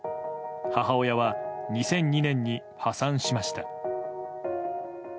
母親は２００２年に破産しました。